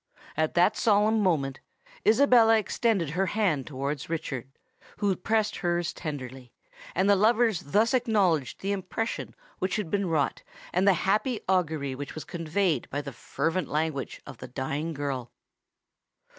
At that solemn moment, Isabella extended her hand towards Richard, who pressed hers tenderly; and the lovers thus acknowledged the impression which had been wrought and the happy augury which was conveyed by the fervent language of the dying girl.